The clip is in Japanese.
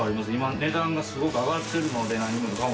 値段がすごく上がってるので何もかも。